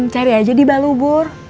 cari aja di balubur